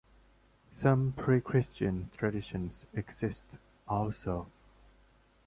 Some pre-Christian traditions exist, also.